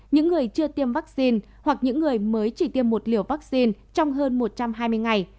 những người chưa tiêm vaccine hoặc những người mới chỉ tiêm một liều vaccine trong hơn một trăm hai mươi ngày